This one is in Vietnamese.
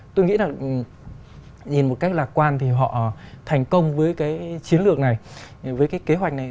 tôi nghĩ là nhìn một cách lạc quan thì họ thành công với cái chiến lược này với cái kế hoạch này